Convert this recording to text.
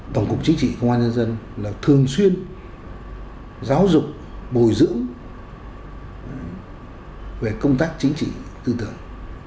tổng cục chính trị công an nhân dân là thường xuyên giáo dục bồi dưỡng về công tác chính trị tư tưởng